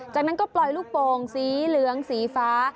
จากนั้นก็ปล่อยลูกโป่งสีเหลืองสีฟ้า